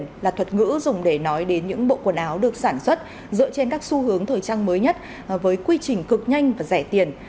thời trang ăn liền là thuật ngữ dùng để nói đến những bộ quần áo được sản xuất dựa trên các xu hướng thời trang mới nhất với quy trình cực nhanh và rẻ tiền